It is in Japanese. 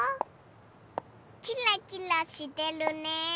キラキラしてるね。